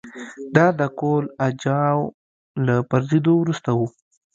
دا د کهول اجاو له پرځېدو وروسته وه